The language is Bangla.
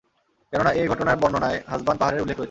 কেননা, এ ঘটনার বর্ণনায় হাসবান পাহাড়ের উল্লেখ রয়েছে।